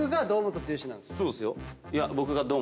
そうですよ。いや。